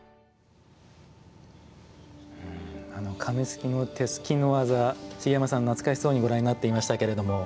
紙すきの、手すきの技茂山さん、懐かしそうにご覧になっていましたが。